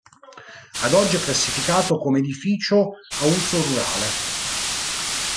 Ad oggi è classificato come edificio a uso rurale.